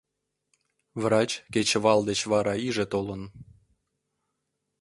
Врач кечывал деч вара иже толын.